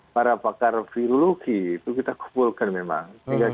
para pakar viologi itu kita kumpulkan memang